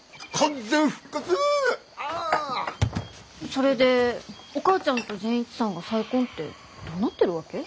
それでお母ちゃんと善一さんが再婚ってどうなってるわけ？